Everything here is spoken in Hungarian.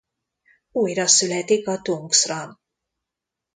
Újra születik a Tungsram.